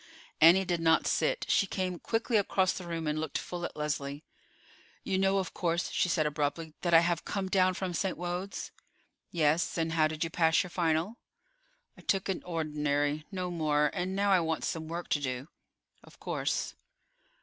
Annie did not sit; she came quickly across the room, and looked full at Leslie. "You know, of course," she said abruptly, "that I have come down from St. Wode's?" "Yes; and how did you pass your final?" "I took an ordinary—no more; and now I want some work to do." "Of course."